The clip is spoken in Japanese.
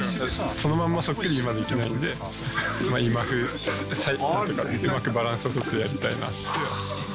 そのまんま、そっくりは今できないんで、今風にうまくバランスを取ってやりたいなって。